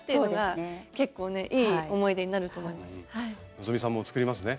希さんも作りますね？